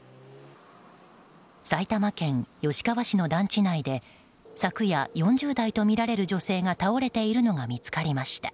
埼玉県吉川市の団地内で昨夜、４０代とみられる女性が倒れているのが見つかりました。